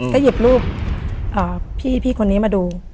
ก็หยิบรูปพี่คนนี้มาดู